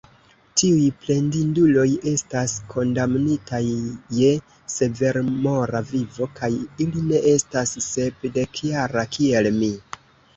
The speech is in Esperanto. Tiuj plendinduloj estas kondamnitaj je severmora vivo, kaj ili ne estas sepdekjaraj, kiel mi.